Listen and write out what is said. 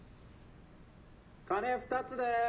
・鐘２つです。